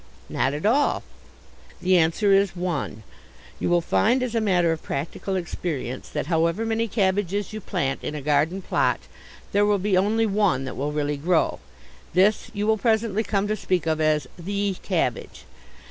Not at all. The answer is one. You will find as a matter of practical experience that however many cabbages you plant in a garden plot there will be only one that will really grow. This you will presently come to speak of as _the _cabbage.